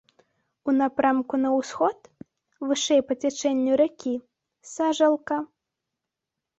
У напрамку на ўсход, вышэй па цячэнню ракі, сажалка.